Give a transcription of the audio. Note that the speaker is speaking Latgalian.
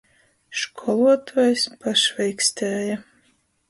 Školuotuojs pašveikstēja.